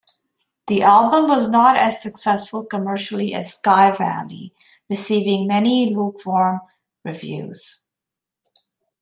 The album was not as successful commercially as "Sky Valley", receiving many lukewarm reviews.